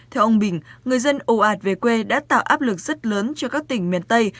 theo ông bình người dân ồ ạt về quê đã tạo áp lực rất lớn cho các tỉnh miền tây